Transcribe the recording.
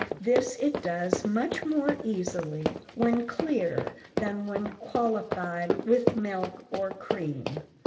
This it does much more easily when clear than when "qualified" with milk or cream.